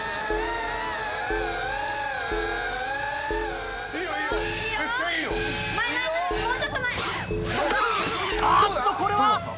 これは？